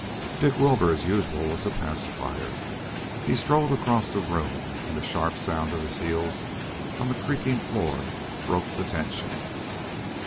Dick Wilbur, as usual, was the pacifier. He strode across the room, and the sharp sound of his heels on the creaking floor broke the tension.